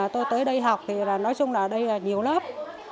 tôi tới đây học thì nói chung là đây là nhiều lớp